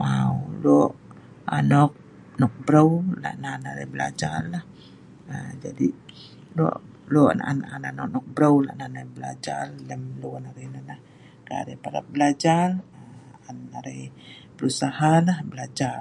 Mau. Lok anok nok breu. La nan arai BELAJAR, lok naan anok ma’ breu la nan arai belajar, Kai arai prap BELAJAR, Berusaha nah, belajar